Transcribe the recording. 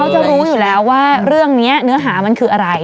จะรู้อยู่แล้วว่าเรื่องนี้เนื้อหามันคืออะไร